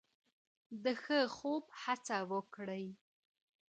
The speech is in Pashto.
د ښه خوب هڅه وکړئ.